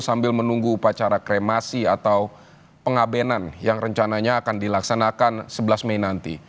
sambil menunggu upacara kremasi atau pengabenan yang rencananya akan dilaksanakan sebelas mei nanti